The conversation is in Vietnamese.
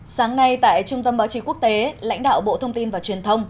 sáng nay tại trung tâm báo chí quốc tế lãnh đạo bộ thông tin và truyền thông